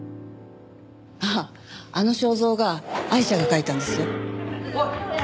あああの肖像画アイシャが描いたんですよ。